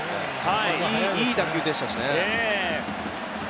いい打球でした。